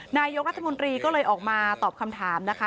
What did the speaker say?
นายกรัฐมนตรีก็เลยออกมาตอบคำถามนะคะ